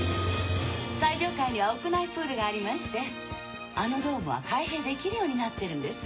最上階には屋内プールがありましてあのドームは開閉できるようになってるんです。